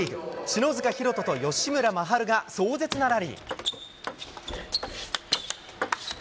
篠塚大登と吉村真晴が壮絶なラリー。